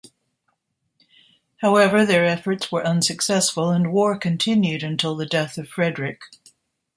However, their efforts were unsuccessful and war continued until the death of Frederick.